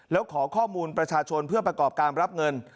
แล้วขอข้อมูลประชาชนเพื่อประกอบการรับเงิน